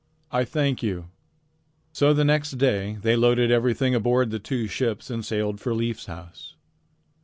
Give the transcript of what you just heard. "I thank you." So the next day they loaded everything aboard the two ships and sailed for Leif's house.